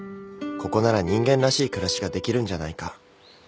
ここなら人間らしい暮らしができるんじゃないか。